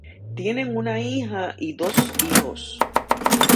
Tienen una hija y dos hijos.